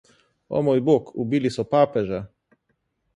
O moj bog, ubili so papeža!